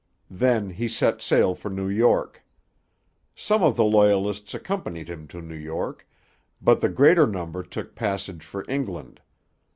Then he set sail for New York. Some of the Loyalists accompanied him to New York, but the greater number took passage for England.